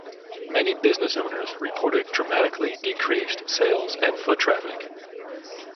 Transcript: Many business owners reported dramatically decreased sales and foot traffic.